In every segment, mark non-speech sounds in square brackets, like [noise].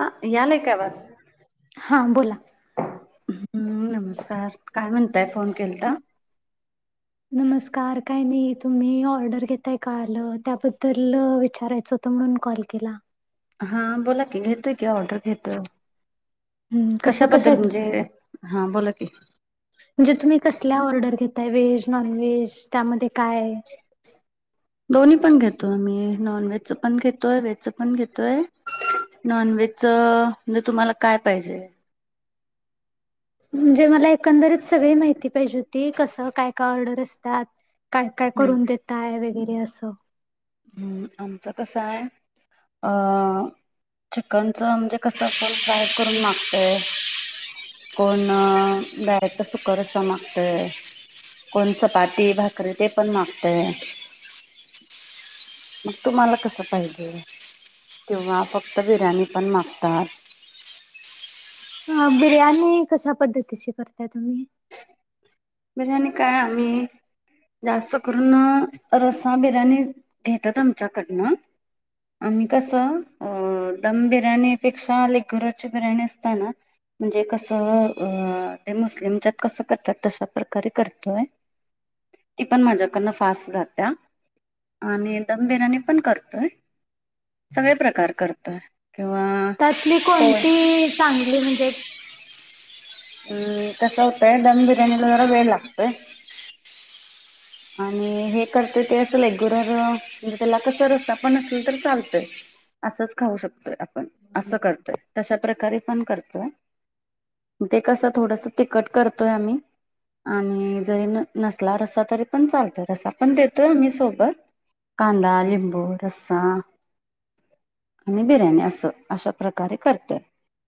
हा यालाय काय बस हां बोला. [unintelligible] हम्म नमस्कार काय म्हणताय फोन केलता. नमस्कार! काय नाही तुम्ही ऑर्डर घेताय कळालं त्याबद्दल विचारायचं होतं म्हणून कॉल केला. हा बोला की घेतोय की ऑर्डर घेतोय. हं कशा कशाबद्दल कशाची म्हणजे हा बोला कि! म्हणजे तुम्ही कसल्या ऑर्डर घेताय व्हेज नॉन व्हेज त्यामध्ये काय? दोन्ही पण घेतो आम्ही नॉन व्हेज च पण घेतोय व्हेज च पण घेतो. य नॉनव्हेज च म्हणजे तुम्हाला काय पाहिजे? म्हणजे मला एकंदरीत सगळी माहिती पाहिजे होती कसं काय काय ऑर्डर असतात? काय काय हम्म करून देताय वगैरे असं हम्म आमचं कसं आहे अं चिकनचं म्हणजे कसं आपण फ्राय करून मागतय [unintelligible] कोण गायचं सुकर असा मागतय कोण चपाती भाकरी ते पण मागतय [inaudible] मग तुम्हाला कसां पाहिजे तेिंव्हा फक्त बिर्याणी पण मागतात अ बिर्याणी कशा पद्धतीची करता तुम्ही बिर्याणी काय आम्ही जास्त करून रसा बिर्याणी घेतात आमच्याकडनं आम् कसं दम बिर्याणीपेक्षा अक घरची बिर्याणी असतना म्हणजे कसं ते मुस्लिमच्यात कसं करतात तशात कार करतोय ती पण माझ्याकड फास्ट जात आणि दम बिर्याणी पण करतोय सगळे प्रकार करतोय किंवा त्यातली कोय कोणती चांगली म्हणजे हम् कसवते धबिरनल तरर बेलगते आणि हे करतय ते असं रेगुलर म्हणजे त्याला कसा रस्ता पण असेल तर चालतय असंच खाऊ शकतोय आपण असं करतोय तशा प्र्रकारे पण करतोय ते कसं थोडस तखट करतोय आम्ही आणि जरी न नसला रसा तरी पण चालतो रसा पण देतोय आम्ही सोबत कांदा लिंबू रसाम आणि बिर्याणी अस अशा प्रकारे करते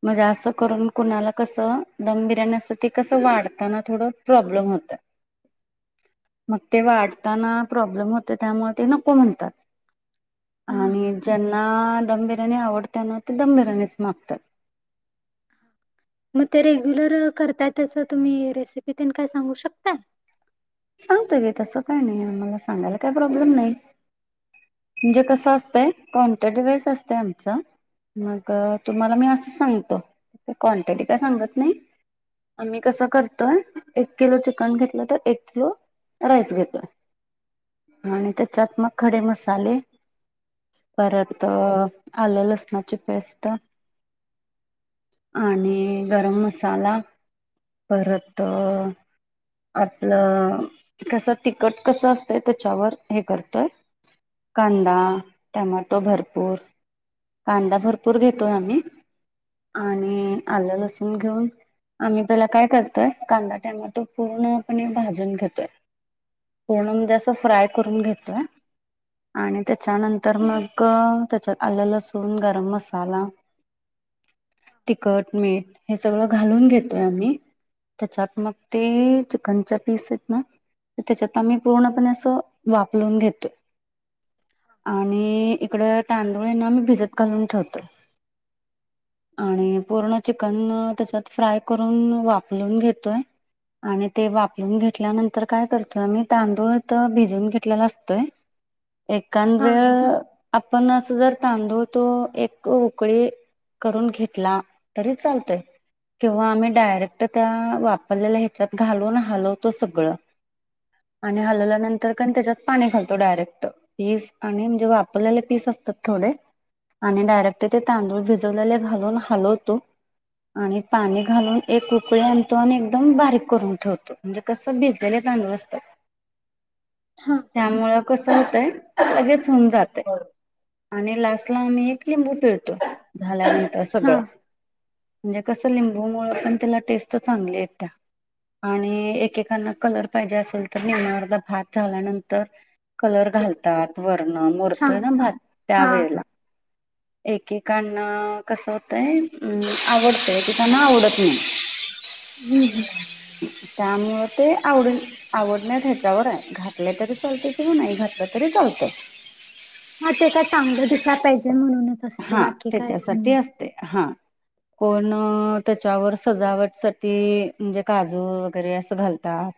म्हणजे असं करून कुणाला कस ब्या कस वाढताना थोड प्रॉब्लेम होत मग ते वाढताना प्रॉब्लेम होते त्यामुळे ते नको म्हणतात हां हां. आणि ज्यांना दम बिर्याणी आवडतना ते दम बिर्याणीच मागतात मग ते रेग्युलर करताय त्याचं तुम्ही रेसिपीत काय सांगू शकताय सांगतोय का तसं काय नाही मला सांगायला काही प्रॉब्लेम नाही म्हणजे कसं असतय कोणत्या डिवाईस असत आमचं मग तुम्हाला मी असं सांगतो ते क्वांटिटी काय सांगत नाही आम्ही कसं करतोय एक किलो चिकन घेत ो त्या चाले परत आलं लसणाची पेस्ट आणि गरम मसाला परत आपलं कस तिकट कसं असतं त्याच्यावर हे करतोय कांदा टमाटो भरपूर कांदा भरपूर घेतोय आम्ही आणि आलं लसूण घेऊन आम्ही पला काय करतोय कांदा टायम तो पूर्णपणे भाजन घेतोय कोणून जास फ्राय करून घ्यायच आणि त्याच्यानंतर मग त्याच्यात आलं लसूण गरम मसाला तखट मीठ हे सगळं घालून घेतोय आम्ही त्याच्यात मग ते चिकनच्या पीस आहेत ना त्याच्यात आम्ही पूर्णपणे असं वापरून घेतो आणि इकड तांदुळना मी भिजत घालून ठेवतो आणि पूर्ण चिकन त्याच्यात फ्राय करून वापरून घेतोय आणि ते वापरून घेतल्यानंतर काय करतोय आमही तांदूळ तर भिजून घेतलेला असतोय ए हां हां. वेळ आपण असं जर तांदव तो एक उकळी करून घेतला तरी चालतोय किंवा आम्ही डायरेक्ट त्या वापरलेल्या ह्याच्यात घालून हालवतो सगळं आणि हलल्यानंतर पण त्याच्यात पाणी घालतो डायरेक्ट पीस आणि म्हजेव आपल्याले पीस असतात थोडे आणि डायरेक्ट ते तांदूळ भिजवलेले घालून हलवतो आणि पाणी घालून एक रकळी आणतो आणि एकदम बारीक करून ठेवतो म्हणजे कसं भिजलेलं त हां. त्यामुळ कस होतंय लगेच होऊन जाते हा आणि लास्टला आम्ही एक लिंबू पिळतो झाल्यानंतर हा सगळं म्हणजे कसं लिंबूमु पण त्याला टेस्ट चांगली आहे त्या आणि एकेकांना कलर पाहिजे असेल तर निमण्यावरला भात झाल्यानंतर कलर घालतात वरण मरतोय ना भात त्या हा वेळेला एकेकांना कसं होतंय अं आवडतंय एकेकांना आवडत नाही ह हम्म हम्म त्यामु ते आवड आवडण्या ह्याच्यावर आहे घातले तरी चालते त नाही घातपातरी लत हा ते काय चांगलं दिसला पाहिजे म्हणूनच असते हा बाकी काय असं त्याच्यासाठी नाही असते हा कोण त्याच्यावर सजावट सा म्हणजे काजू वगैरे असं घालतात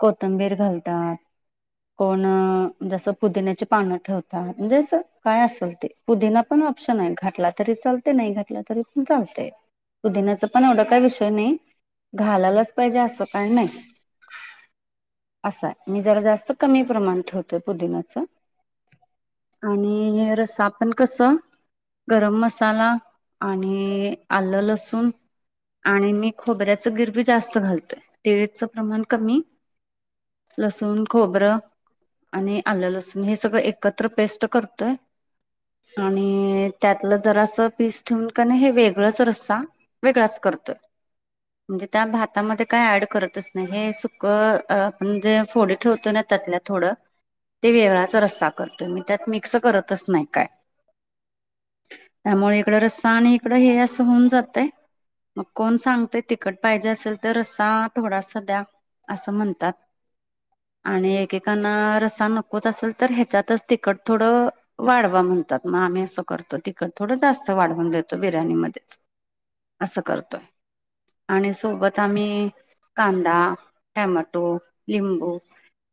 कोथंबीर घालतात कोण जस पुदिन्याची पानं ठेवता म्हणजे काय असल ते पुदिना पण ऑप्शन आहे घटला तरी ल नाही घटलं तरी पण चालते सुुधिनाचं पण एवढा काय विषय नाही घालायलाच पाहिजे असं काण नाही असाय मी जरा जास्त कमी प्रमाण ठेवतोय पुदिन्याच आणि हे रस आपण कस गरम मसाला आणि आलं लसूण आणि मी खोबऱ्याच गिरबी जास्त घालतोय तळीचं प्रमाण कमी लसूण खोबरं आणि आलं लसूण हे सगळं एकत्र पेस्ट करतय आणि त्यातलं जरा असं पीस ठेवून का नाही हे वेगळंच रस्सा वेगळाच करतोय म्हणजे त्या भातामध्ये काय ऍड करतच नाही हे सुकं आपण जे फोडी ठेवतो ना त्यात थोडं ते वेवळाचा रस्सा करतोय मी त्यात मिक्स करतच नाही काय त्यामुळे इकड रस्सा आणि इकडं हे असं होऊन जातय मग कोण सांगतय तिकट पाहिजे असेल तर असा थोडासा द्या असं म्हणतात आणि एकेकांना रसा नकोत असेल तर ह्याच्यातच तिखट थोडं वाढवा म्हणतात मग आम्ही असं करतो तिकड थोडं जास्त वाढवून देतो बिर्याणीमध्येध्ये असं करतोय आणि सोबत आम्ही कांदा टमॅटो लिंबू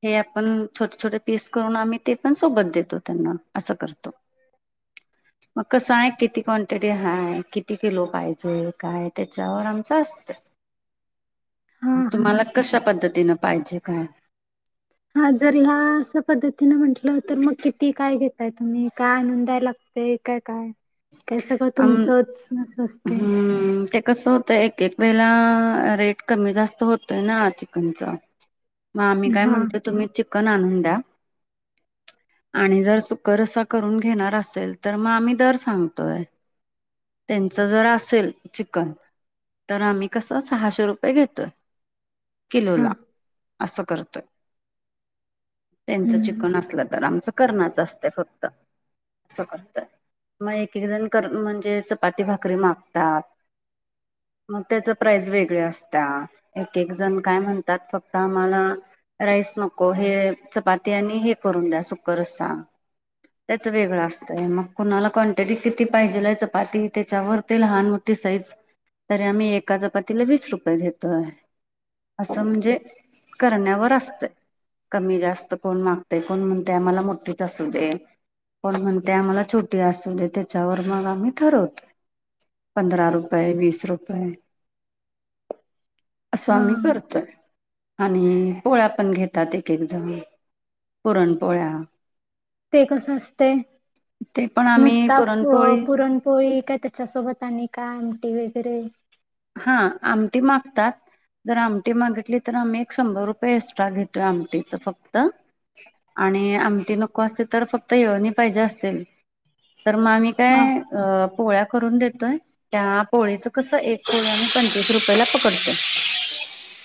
हे आपण छोटे छोटे पीस करून आम्ही ते पण सोबत देतो त्यांना असं करतो मग कसां आहे किती क्वांटिटी हाय किती किलो पाहिजेय काय वर आम अस हा तुम्हाला हा कश पद्धतीन पाहिजे का हा जर ह्या असं पद्धतीने म्हंटलं तर मग किती काय घेत काय तुम्ही काय नोंदाय लागते काय काय काय सगळं अ तुमचंच असं असते हम्म ते कस होत एक एक वेला रेट कमी जास्त होतोय ना चिकनचा मग आम्ही काय हा म्हणतो तुम्ही चिकन आणून द्या आणि जर सुकर करून घेणार असेल तर मग आम्ही दर सांगतो त्यां जर असेल चिकन तर आम्ही कस सहाशे रुपये घेतोय किलो हा ला असं करतोय त्यांच हम्म चिकन असलं तर आमच करच असते फक्त अस करतय मग कि जण कर म्हणजे चपाती भाकरी मागतात मग त्याच प्राईज वेगळे असत एक एक जण काय म्हणतात फक्त आम्हाला राईस नको हे चपाती आणि हे करून द्या सुकरच सांग त्याच वेगळं असतंय मग कुणाला क किती पाहिजेला चपाती त्याच्यावर ते लहान मोठी साईज तरी आम्ही एका चपातीला वीस रुपये घेतो आहे असं म्हणजे करण्यावर असते. कमी जास्त कोण मागते कोण म्हणते आम्हाला मोठीच असू दे. पण म्हणते आम्हाला छोटी असू दे त्याच्यावर मग आम्ही ठरवतोय. पंधरा रुपये, वीस रुपये. असं हा आम्ही करतोय आणि पोळ्या पण घेतात एक-एक जन पुरण पोळ्या ते कसं असतय? ते पण आम्ही का पुरणपोळी पुरणपोळी काय त्याच्यासोबत आणि काय आमटी वगैरे हा आमटी मागतात. जर आमटी मागितली तर आम्ही एक शंभर रुपये एक्स्ट्रा घेतोय आमटीचं फ क्त आणि आमटी नको असते तर फक्त येळवणी पाहिजे असेल तर मग आम्ही हा काय अ पोळ्या करून देतोय त्या पोळीचं कसं एक पोळ्या मी पंचवीस रुपयेला पकडतो.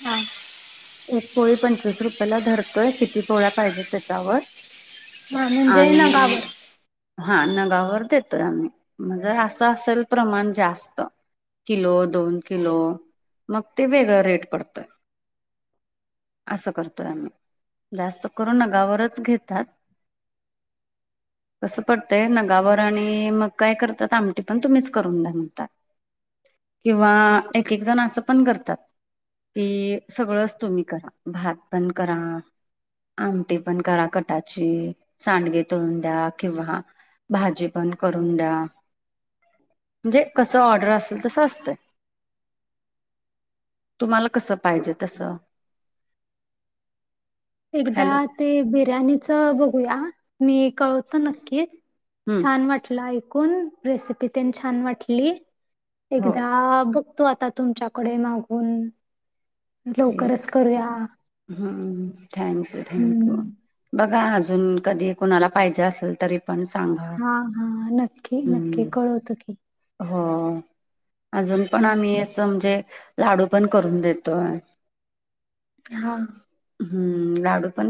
हा [inaudible] एक पोळी पंचवीस रुपयाला ला धरतोय किती पोळ्या पाहिजेत त्याच्यावर हा [inaudible] म्हणजे आणि नगावर हा नगावर देतोय आम्ही म्हणजे असं असेल प्रमाण जास्त किलो दोन किलो मग ते वेगळा रेट पडतय. असं करतोय आम्ही जास्त करून नगावरच घेतात. कसं पडतंय नगावर आणि मग काय करतात आमटी पण तुम्हीच करून दया म्हणतात. किंवा एक-एक जण असं पण करतात. कि सगळंच तुम्ही करा भात पण करा आमटी पण करा कटाची. सांडगे तळन द्या किंवा भाजी पण करून द्या [inaudible] म्हणजे कस ऑर्डर असेल तस अस. ते तुम्हाला कसं पाहिजे तस एकदा ते बिर्याणीच बघूया ह. मी कळवतो नक्कीच हम्म छान वाटलं ऐक कून रेसिपी तेन छान वाटली हो एकदा ब तो आता तुमच्याकडे मागून लवकरच करूया. ह् थँक यू थँक यू हम्म. बघा अजून कधी कुणाला पाहिजे असेल तरी पण सांगा हा, हा नक्की नक्की कळवतो की. हा. अजून पण हम्म. आम्ही असं म्हणजे लाडू पण करून देतोय. हा. ह् लाडू पण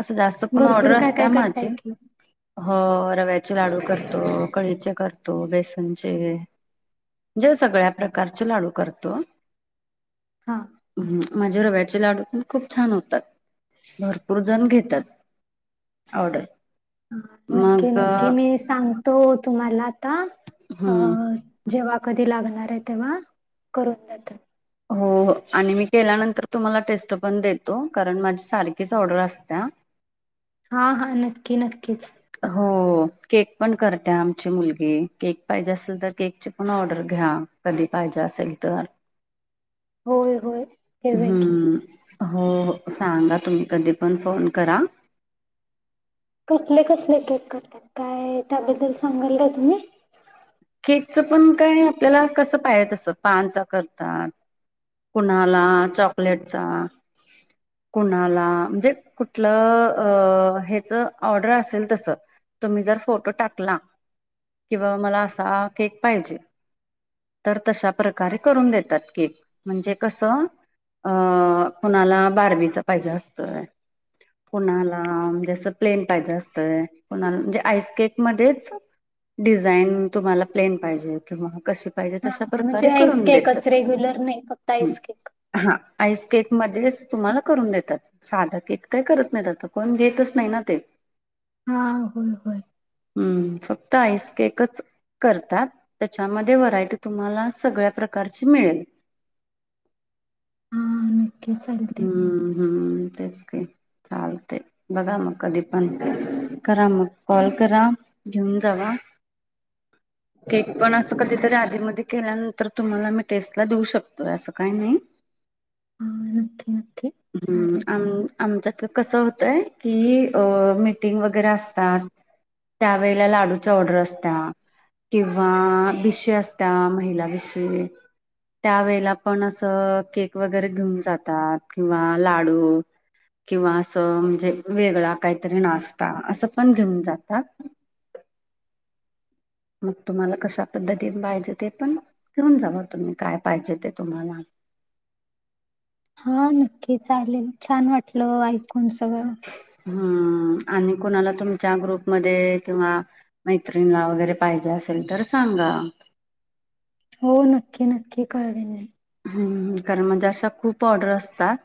अस जास्त कोण भरपूर ऑर्डर काय असत्या काय माझी करताय की [inaudible] हो. रव्याचे लाडू करतो. कळीचे करतो. बेसनचे [inaudible] म्हनजे सगळ्या प्रकारचे लाडू करतो. हा. हम्म. माझे रव्याचे लाडू पण खूप छान होतात. भरपूर जण घेतात. [inaudible] ऑर्डर नक्की मग अ, नक्की मी सांगतो तुम्हाला ता अ हम्म जेव्हा कधी लागणार आहे तेव्हा करून देतात. हो आणि मी केल्यानंतर तुम्हाला टेस्ट पण देतो कारण माझी सारखीच ऑर्डर असत्या हा, हा नक्की नक्कीच. हो केक पण करत्या आमची मुलगी केक पाहिजे असेल तर केकची पण ऑर्डर घ्या कधी पाहिजे असेल तर. होय होय [inaudible] ठेवूया हम्म, की हो सांगा तुम्ही कधी पण फोन करा. कसले कसले केक करत्यात काय त्याबद्दल सांगाल का तुम्ही केकचं पण काय आपल्याला कस पाह्या तसं पानचा करतात कुन्हाला चॉकलेटचा कुणाला म्हणजे कुठलं अ हेच ऑर्डर असेल तस तुम्ही जर फोटो टाकला किंवा मला असा केक पाहिजे तर तशा प्रकारे करून देतात केक म्हणजे कस अ कुणाला बार्बीच पाहिजे असत कुणाला म्हणजे असं प्लेन पाहिजे असतंय कुणाला म्हणजे आईस केकमध्येच डिझाईन तुम्हाला प्लेन पाहिजे किंवा कशी पाहिजे हा तशा हा म्हणजे प्रकारे आईस करून केकच देतात रेग्युलर नाही फक्त आईस केक हा आईस केक मध्येच तुम्हाला करून देतात साध केक काय करत नाही पण घेतच नाही ना ते हा होय होय ह् फक्त आईस केकच करतात त्याच्यामध्ये व्हरायटी तुम्हाला सगळ्या प्रकारचे मिळेल हा नक्की चालतेच हम्म हम्म तेच ते चालते बघा मग कधी करा मग कॉल करा घेऊन जावा केक पण असं कधीतरी आधी मध्ये केल्या तर तुम्हाला मी टेस्टला देऊ शकतोय असं काही नाही ऑल ओके ओके ह् आम आमच्यात कसं होतंय कि अ मिटिंग वगैरे असतात त्यावेळेला लाडूचा ऑर्डर असता किंवा बी चे असता महिला विषयी त्या वेळेला पण असं केक वगैरे घेऊन जातात किंवा लाडू किंवा असं म्हणजे वेगळा काहीतरी नाश्ता असं पण घेऊन जातात मग तुम्हाला कशा पद्धतीने पाहिजे ते पण घेऊन जावा तुम्ही काय पाहिजे ते तुम्हाला हा नक्की चालेल छान वाटलं ऐकून सगळं हम्म आणि कोणाला तुमच्या ग्रुपमध्ये किंवा मैत्रीणीला वगैरे पाहिजे असेल तर सांगा हो नक्की नक्की कळविन मी हम कारण म्हणजे अशा खूप ऑर्डर असतात